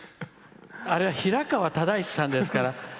あれは、平川唯一さんですから。